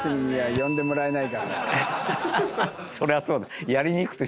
そりゃそうだ。